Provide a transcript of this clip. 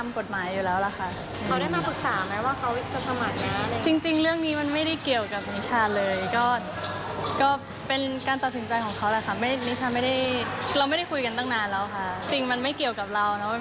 ว่าอันนี้คือให้เวลากับตัวเองมากกว่าเดิม